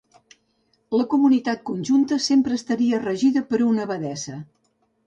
La comunitat conjunta sempre estaria regida per una abadessa.